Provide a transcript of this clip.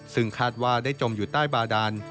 ซึ่งคาดว่าได้จมอยู่ใต้บาดาน